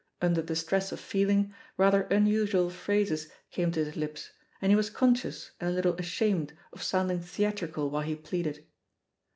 Under the stress of feeling, rather unusual phrases came to his lips, and he was conscious and a little ashamed of sounding theatrical while he pleaded.